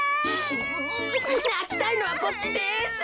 うなきたいのはこっちです。